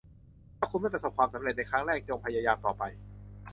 ถ้าคุณไม่ประสบความสำเร็จในครั้งแรก จงพยายามต่อไป